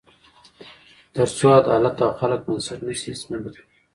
تر څو عدالت او خلک بنسټ نه شي، هیڅ نه بدلېږي.